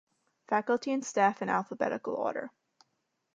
Faculty and staff in alphabetical order.